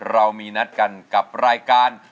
เรามีนัดกันกับรายการ